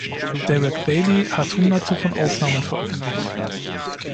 Derek Bailey hat Hunderte von Aufnahmen veröffentlicht.